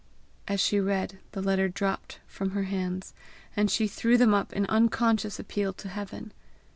As she read, the letter dropped from her hands, and she threw them up in unconscious appeal to heaven.